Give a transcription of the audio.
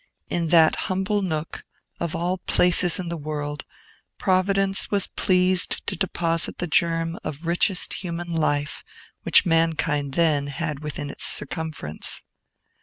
In that humble nook, of all places in the world, Providence was pleased to deposit the germ of the richest, human life which mankind then had within its circumference.